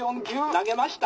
「投げました」。